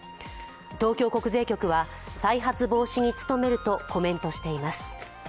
東京国税局は、再発防止に努めるとコメントしています。